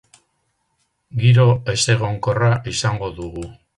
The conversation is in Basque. Giro ezegonkorra izango dugu.